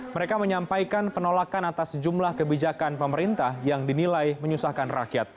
mereka menyampaikan penolakan atas jumlah kebijakan pemerintah yang dinilai menyusahkan rakyat